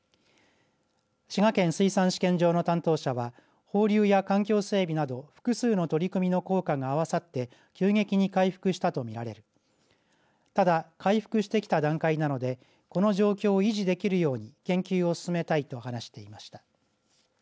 滋賀県水産試験場の担当者は放流や環境整備など複数の取り組みの効果が合わさって急激に回復したと見られただ回復してきた段階なのでこの状況を維持できるように研究を進めたいと話していました。